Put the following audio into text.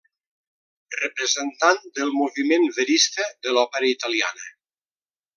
Representant del moviment Verista de l'òpera italiana.